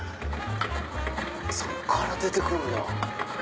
そっから出て来るんだ。